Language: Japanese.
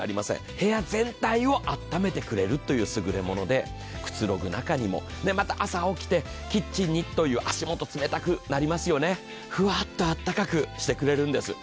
部屋全体をあっためてくれるというスグレモノで、くつろぐ中にも、また朝起きてキッチンにも。足元冷たくなりますよね、ふわっとあったかくしてくれるんです。